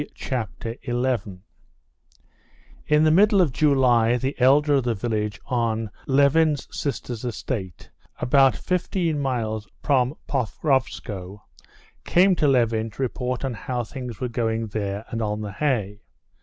Chapter 11 In the middle of July the elder of the village on Levin's sister's estate, about fifteen miles from Pokrovskoe, came to Levin to report on how things were going there and on the hay.